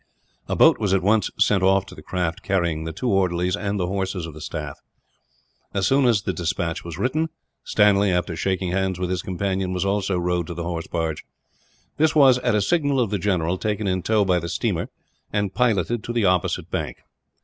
A boat was at once sent off to the craft carrying the two orderlies and the horses of the staff. As soon as the despatch was written, Stanley, after shaking hands with his companions, was also rowed to the horse barge. This was, at a signal of the general, taken in tow by the steamer, and piloted to the opposite bank.